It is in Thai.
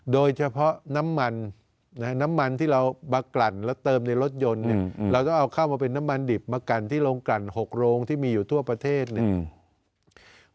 โดยเฉพาะน้ำมันน้ำมันที่เรามากลั่นแล้วเติมในรถยนต์เนี่ยเราต้องเอาเข้ามาเป็นน้ำมันดิบมากลั่นที่โรงกลั่น๖โรงที่มีอยู่ทั่วประเทศเนี่ย